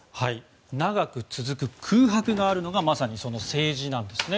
長く続く空白があるのがまさに政治なんです。